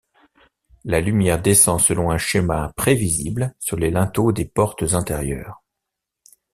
La lumière descend selon un schéma prévisible sur les linteaux des portes intérieures.